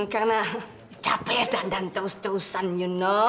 karena capek dandan terus terusan you know